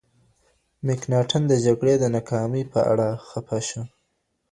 مکناتن د جګړې د ناکامۍ په اړه خپه شو.